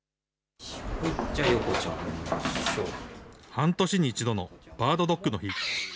半年に１度のバードドックの日。